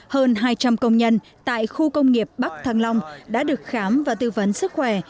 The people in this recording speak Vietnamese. hơn hai trăm linh công nhân tại khu công nghiệp bắc thăng long đã được khám và tư vấn sức khỏe